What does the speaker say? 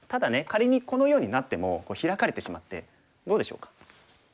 仮にこのようになってもヒラかれてしまってどうでしょうか？